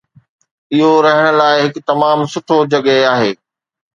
اهو رهڻ لاء هڪ تمام سٺو جڳهه آهي